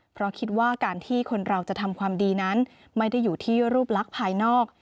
เพราะคิดว่าการที่คนเราจะทำความดีนั้นไม่ได้อยู่ที่รูปลักษณ์ภายนอก